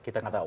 kita gak tahu